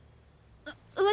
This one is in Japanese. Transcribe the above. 私